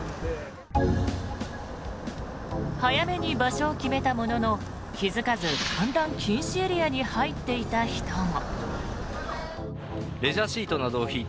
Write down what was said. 早めに場所を決めたものの気付かず観覧禁止エリアに入っていた人も。